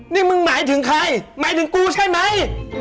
นี่มึงหมายถึงใครหมายถึงกูใช่ไหม